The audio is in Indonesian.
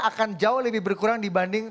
akan jauh lebih berkurang dibanding